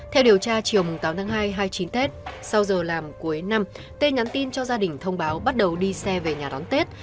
theo điều tra chiều tám tháng hai hai mươi chín tết sau giờ làm cuối năm t nhắn tin cho gia đình thông báo bắt đầu đi xe về nhà đón tết